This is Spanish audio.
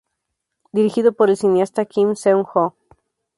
Dirigido por el cineasta Kim Seong Ho.